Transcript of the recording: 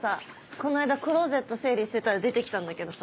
この間クローゼット整理してたら出てきたんだけどさ。